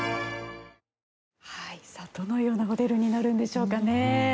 どのようなホテルになるんでしょうかね。